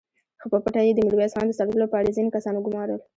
خو په پټه يې د ميرويس خان د څارلو له پاره ځينې کسان وګومارل!